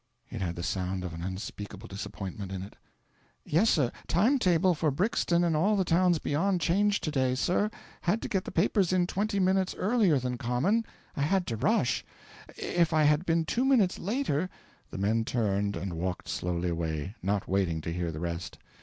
It had the sound of an unspeakable disappointment in it. "Yes, sir. Time table for Brixton and all the towns beyond changed to day, sir had to get the papers in twenty minutes earlier than common. I had to rush; if I had been two minutes later " The men turned and walked slowly away, not waiting to hear the rest.